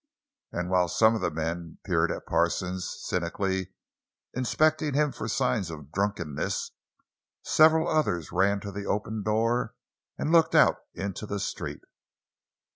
And while some of the men peered at Parsons, cynically inspecting him for signs of drunkenness, several others ran to the open door and looked out into the street.